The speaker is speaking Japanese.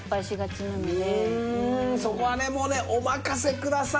そこはねもうねお任せください。